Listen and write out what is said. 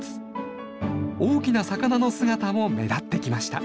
大きな魚の姿も目立ってきました。